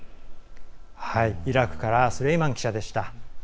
イラクからスレイマン記者でした。